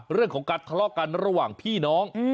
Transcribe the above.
เรื่องของการทะเลาะกันระหว่างพี่น้อง